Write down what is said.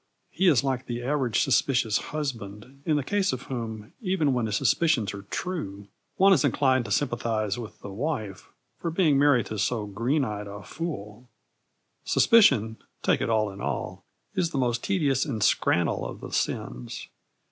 He is like the average suspicious husband, in the case of whom, even when his suspicions are true, one is inclined to sympathise with the wife for being married to so green eyed a fool. Suspicion, take it all in all, is the most tedious and scrannel of the sins.